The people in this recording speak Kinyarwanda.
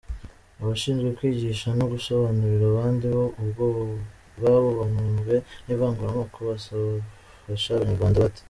Abashinzwe kwigisha no gusobanurira abandi bo ubwabo bamunzwe n’ivanguramoko bazafasha Abanyarwanda bate?